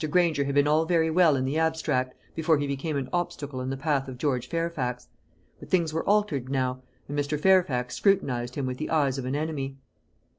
Granger had been all very well in the abstract, before he became an obstacle in the path of George Fairfax. But things were altered now, and Mr. Fairfax scrutinized him with the eyes of an enemy.